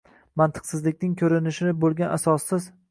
Mantiqsizlikning ko‘rinishi bo‘lgan asossiz